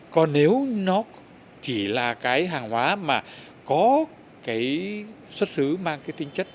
còn nếu nó chỉ là cái hàng hóa mà có cái xuất xứ mang cái tinh chất